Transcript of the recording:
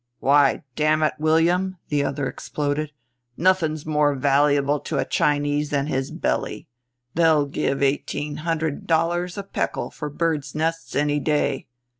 "Why, damn it, William," the other exploded, "nothing's more valuable to a Chinese than his belly. They'll give eighteen hundred dollars a pecul for birds' nests any day.